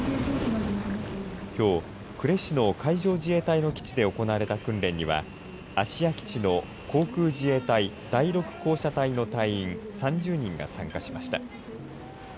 きょう、呉市の海上自衛隊の基地で行われた訓練には芦屋基地の航空自衛隊第６高射隊の隊員３０人が参加しました。